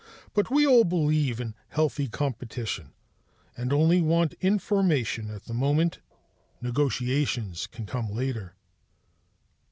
But we all believe in healthy competition, and only want information at the moment. Negotiations can come later."